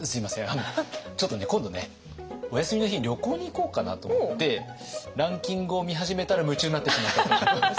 あのちょっとね今度ねお休みの日に旅行に行こうかなと思ってランキングを見始めたら夢中になってしまったんです。